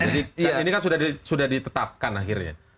jadi ini kan sudah ditetapkan akhirnya